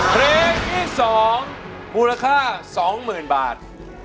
เพลงที่๒มูลค่า๒๐๐๐บาท